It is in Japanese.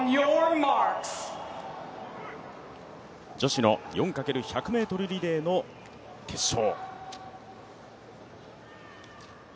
女子の４×１００ｍリレーの決勝。